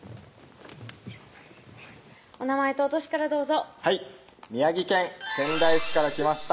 お名前とお歳からどうぞはい宮城県仙台市から来ました